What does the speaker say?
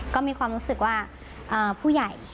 ก็มีความรู้สึกว่าผู้ใหญ่